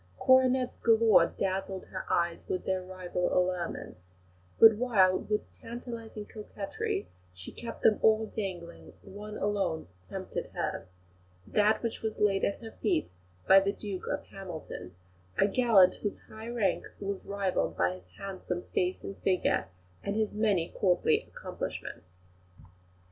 Coronets galore dazzled her eyes with their rival allurements; but while, with tantalising coquetry, she kept them all dangling, one alone tempted her that which was laid at her feet by the Duke of Hamilton, a gallant whose high rank was rivalled by his handsome face and figure, and his many courtly accomplishments.